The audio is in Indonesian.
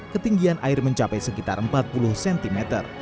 ketinggian air mencapai sekitar empat puluh cm